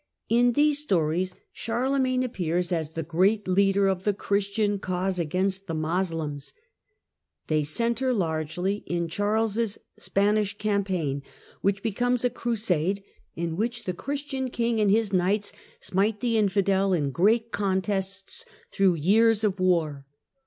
In these stories Charlemagne appears as the great leader of the Christian cause against the Moslems. They centre largely in Charles' Spanish campaign, which becomes a crusade, in which the Christian king and his knights smite the infidel in great contests through years of war.